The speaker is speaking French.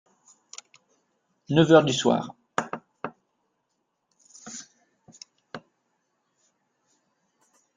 Neuf heures du soir.